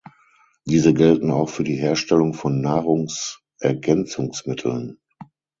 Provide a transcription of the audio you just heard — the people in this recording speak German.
Diese gelten auch für die Herstellung von Nahrungsergänzungsmitteln.